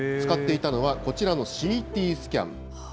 使っていたのはこちらのＣＴスキャン。